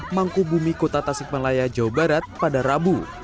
mangkubumi kota tasik malaya jawa barat pada rabu